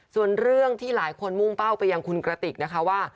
ส่วนเรื่องที่หลายคนมุ่งเป้าไปยังคุณกระติกนะคะว่า